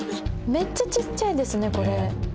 めっちゃちっちゃいですねこれ。